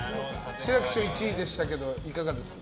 志らく師匠１位でしたけどいかがでしたか？